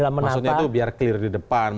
maksudnya itu biar clear di depan